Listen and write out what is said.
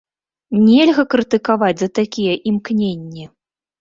Нельга крытыкаваць за такія імкненні!